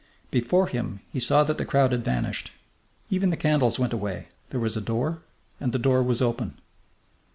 Before him he saw that the crowd had vanished. Even the candles went away. There was a door, and the door was open.